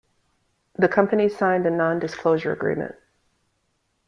The companies signed a non-disclosure agreement.